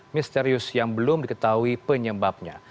misterius yang belum diketahui penyebabnya